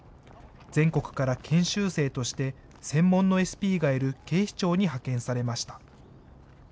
全国から研修生として専門のＳＰがいる警視庁に派遣されました。